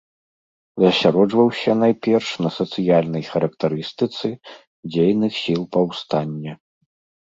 Засяроджваўся, найперш, на сацыяльнай характарыстыцы дзейных сіл паўстання.